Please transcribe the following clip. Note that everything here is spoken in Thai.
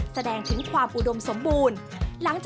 แสดงถึงความอุดมสมบูรณ์